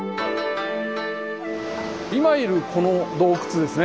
今いるこの洞窟ですね